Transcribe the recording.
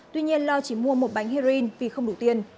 tuy nhiên lo chỉ mua một bánh heroin vì không đủ tiền